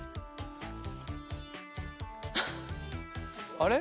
あれ？